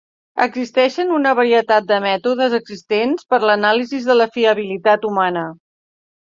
Existeixen una varietat de mètodes existents per l'anàlisi de la fiabilitat humana.